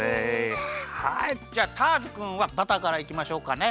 はいじゃあターズくんはバターからいきましょうかね。